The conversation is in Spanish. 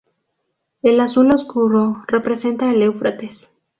El azul oscuro representa el Éufrates.